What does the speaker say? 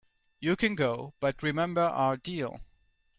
You can go, but remember our deal.